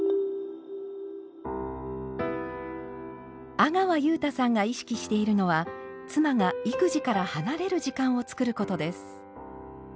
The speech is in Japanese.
阿川勇太さんが意識しているのは妻が育児から離れる時間を作ることです。